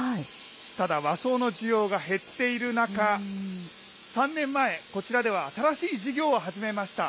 ただ、和装の需要が減っている中、３年前、こちらでは新しい事業を始めました。